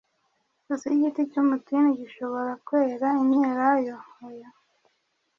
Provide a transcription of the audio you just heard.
ese igiti cy umutini gishobora kwera imyelayo oya